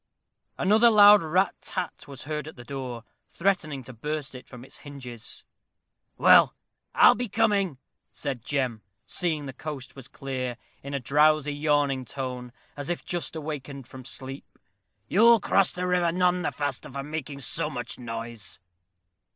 Another loud rat tat was heard at the door, threatening to burst it from its hinges. "Well, I be coming," said Jem, seeing the coast was clear, in a drowsy, yawning tone, as if just awakened from sleep. "You'll cross the river none the faster for making so much noise."